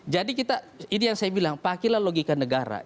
jadi kita ini yang saya bilang pakilah logika negara